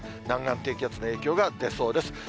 南岸低気圧の影響が出そうです。